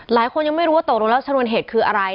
หลายคนยังไม่รู้ว่าตกลงแล้วชนวนเหตุคืออะไร